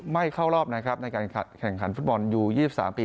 ไม่เข้ารอบนะครับในการกัดแข่งขันฝุ่นบอลยูยี่สิบสามปี